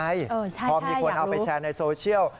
ใช่ควรอยากรู้ก็มีคนเอาไปแชร์ในโซเชียล